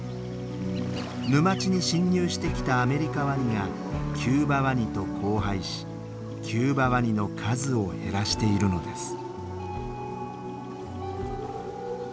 沼地に侵入してきたアメリカワニがキューバワニと交配しキューバワニの数を減らしているのです。